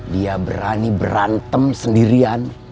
dia berani berantem sendirian